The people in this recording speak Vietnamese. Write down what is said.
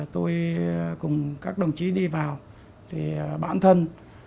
tôi cùng các đồng chí đi vào bản thân